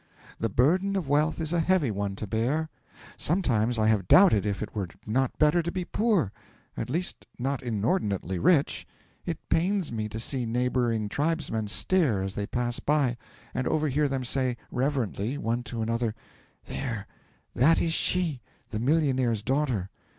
The burden of wealth is a heavy one to bear. Sometimes I have doubted if it were not better to be poor at least not inordinately rich. It pains me to see neighbouring tribesmen stare as they pass by, and overhear them say, reverently, one to another, "There that is she the millionaire's daughter!"